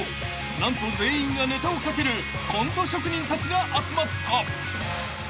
［何と全員がネタを書けるコント職人たちが集まった］